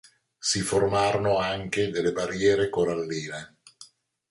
Si formarono anche delle barriere coralline.